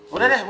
udah deh bu